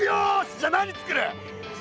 じゃあ何つくる？